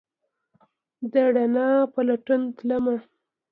د روڼا په لټون تلمه